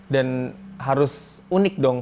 dan harus unik dong